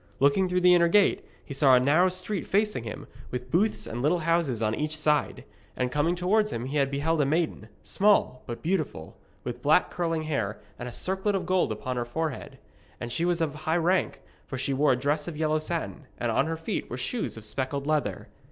Looking through the inner gate, he saw a narrow street facing him, with booths and little houses on each side; and coming towards him he beheld a maiden, small but beautiful, with black curling hair and a circlet of gold upon her forehead; and she was of high rank, for she wore a dress of yellow satin, and on her feet were shoes of speckled leather.